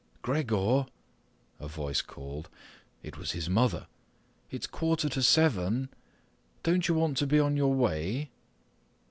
"Gregor," a voice called—it was his mother!—"it's quarter to seven. Don't you want to be on your way?"